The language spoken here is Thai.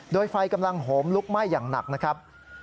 โดยไฟกำลังโหมลุกไหม้อย่างหนักนะครับ